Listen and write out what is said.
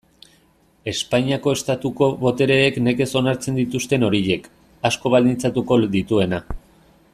Espainiako Estatuko botereek nekez onartzen dituzten horiek, asko baldintzatuko dituena.